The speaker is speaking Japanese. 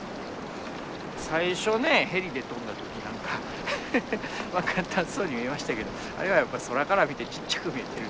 最初ねヘリで飛んだ時なんか簡単そうに見えましたけどあれはやっぱ空から見てちっちゃく見えてる。